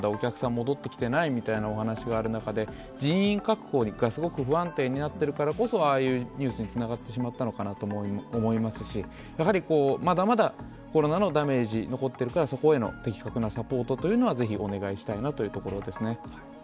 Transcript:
戻ってきてない話がある中で人員確保がすごく不安定になっているからこそ、ああいうニュースにつながってしまったのかなと思いますしまだまだコロナのダメージが残っているから、そこへの的確なサポートはぜひお願いしたいなというところですね。